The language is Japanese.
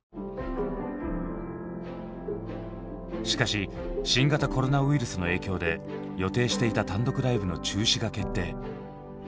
しかし新型コロナウイルスの影響で予定していた単独ライブの中止が決定。